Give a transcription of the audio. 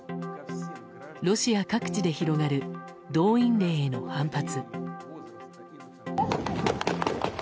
ロシア各地で広がる動員令への反発。